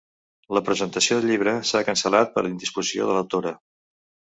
La presentació del llibre s'ha cancel·lat per indisposició de l'autora.